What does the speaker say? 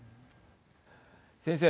先生。